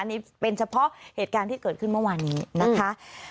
นี่เป็นเฉพาะเหตุการณ์ที่เกิดขึ้นเมื่อวานนี้นะคะ